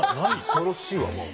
恐ろしいわもう。